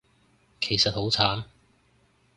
其實好慘